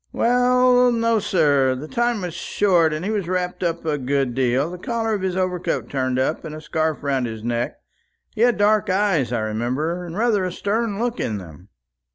"Well no, sir. The time was short, and he was wrapped up a good deal; the collar of his overcoat turned up, and a scarf round his neck. He had dark eyes, I remember, and rather a stern look in them."